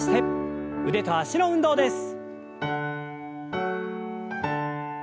腕と脚の運動です。